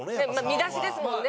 見出しですもんね。